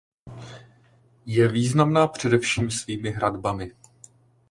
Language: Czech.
Je významná především svými hradbami.